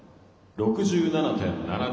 ６７．７２。